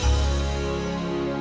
itu jadi hal negatif